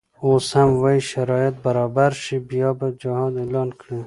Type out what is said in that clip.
اوس هم وایي شرایط برابر شي بیا به جهاد اعلان کړي.